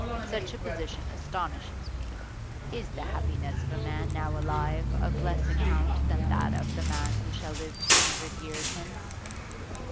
Such a position astonishes me. Is the happiness of a man now alive of less account than that of the man who shall live two hundred. years hence?